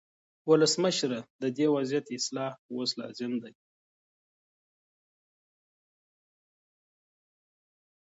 ولسمشره، د دې وضعیت اصلاح اوس لازم دی.